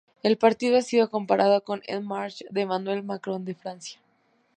El partido ha sido comparado con "En Marche" de Emmanuel Macron de Francia.